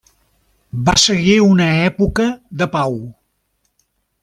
Va seguir una època de pau.